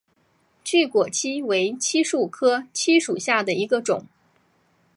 巨果槭为槭树科槭属下的一个种。